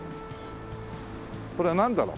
これはなんだろう？